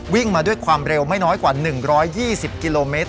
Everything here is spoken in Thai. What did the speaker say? วิ่งมาด้วยความเร็วไม่น้อยกว่า๑๒๐กิโลเมตร